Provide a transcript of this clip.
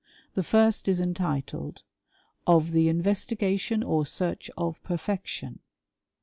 Tlie first is entitled, ^' Of the Investigation or Search of Perfection."